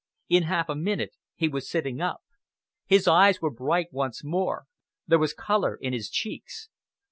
In half a minute he was sitting up. His eyes were bright once more, there was colour in his cheeks.